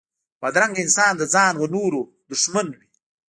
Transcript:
بدرنګه انسان د ځان و نورو دښمن وي